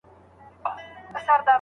کوم عمل ميرمن جنت ته بيايي؟